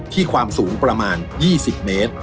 ความสูงประมาณ๒๐เมตร